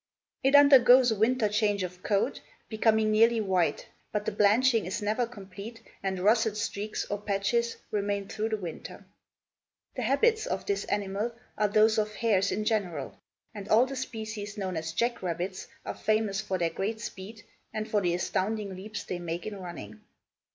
It undergoes a winter change of coat, becoming nearly white, but the blanching is never complete and russet streaks or patches remain through the winter. The habits of this animal are those of hares in general, and all the species known as jack rabbits are famous for their great speed and for the astounding leaps they make in running.